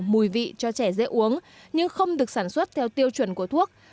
mùi vị cho trẻ dễ uống nhưng không được sản xuất theo tiêu chuẩn của thuốc